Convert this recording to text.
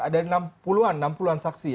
ada enam puluh an saksi